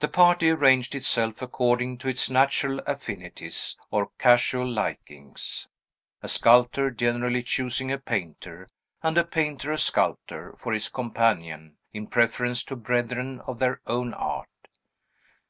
The party arranged itself according to its natural affinities or casual likings; a sculptor generally choosing a painter, and a painter a sculp tor, for his companion, in preference to brethren of their own art.